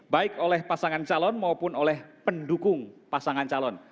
baik oleh pasangan calon maupun oleh pendukung pasangan calon